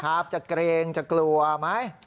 ครับจะเกรงจะกลัวไหม